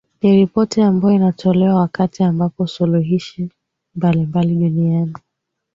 niripoti ambayo inatolewa wakati ambapo suluhishi mbalimbali duniani